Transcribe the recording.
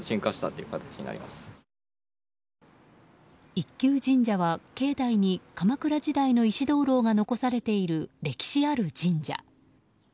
一宮神社は境内に鎌倉時代の石灯籠が残されている歴史ある神社。